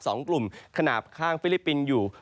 สองกลุ่มขนาดข้างฟิลิปปินส์อยู่